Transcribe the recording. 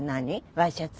ワイシャツ？